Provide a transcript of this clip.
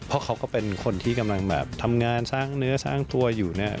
เพราะเขาก็เป็นคนที่กำลังแบบทำงานสร้างเนื้อสร้างตัวอยู่เนี่ย